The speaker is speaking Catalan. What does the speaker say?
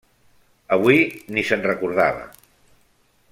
Avui ni se'n recordava.